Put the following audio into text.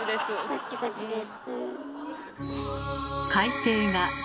カッチカチです。